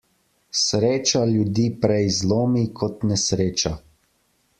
Sreča ljudi prej zlomi kot nesreča.